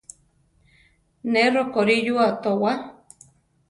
Ne rokorí yua towá.